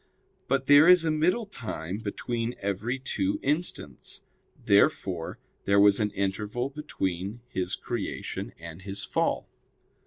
But there is a middle time between every two instants. Therefore there was an interval between his creation and his fall.